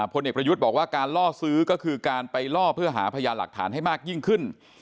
พลเอกประยุทธ์บอกว่าการล่อซื้อก็คือการไปล่อเพื่อหาพยานหลักฐานให้มากยิ่งขึ้น